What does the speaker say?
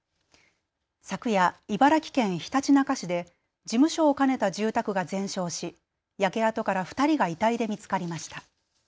昨夜、茨城県ひたちなか市で事務所を兼ねた住宅が全焼し焼け跡から２人が遺体で見つかりました。